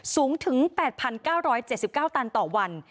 สูงถึง๘๙๗๙ตันต่อวัน